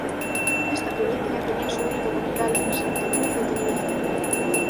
Esta provincia tenía su única capital en Santa Cruz de Tenerife.